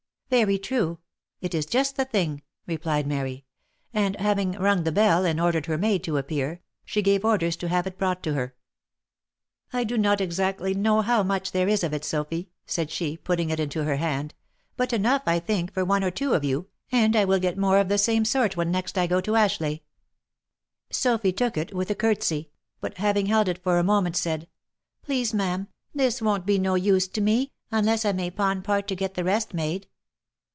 " Very true. — It is just the thing," replied Mary; and having rung the bell and ordered her maid to appear, she gave orders to have it brought to her. " I do not exactly know how much there is of it, Sophy," said she, putting it into her hand, " but enough, I think, for one or two of you, and I will get more of the same sort when next I go to Ashleigh." Sophy took it with a courtesy ; but having held it for a moment said, " Please, ma'am, this won't be no use to me, unless I may pawn part to get the rest made."